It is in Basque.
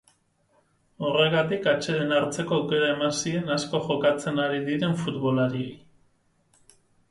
Horregatik, atseden hartzeko aukera eman zien asko jokatzen ari diren futbolariei.